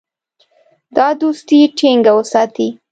دا دوستي ټینګه وساتي.